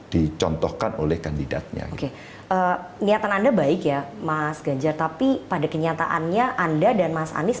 dicontohkan oleh kandidatnya oke niatan anda baik ya mas ganjar tapi pada kenyataannya anda dan mas anies